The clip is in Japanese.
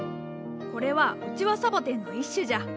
これはウチワサボテンの一種じゃ。